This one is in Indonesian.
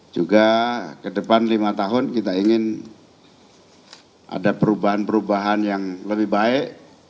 juga ke depan lima tahun kita ingin ada perubahan perubahan yang lebih baik